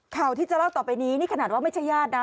ข่าวที่จะเล่าต่อไปนี้นี่ขนาดว่าไม่ใช่ญาตินะ